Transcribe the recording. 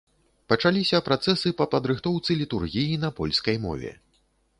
Пачаліся працэсы па падрыхтоўцы літургіі на польскай мове.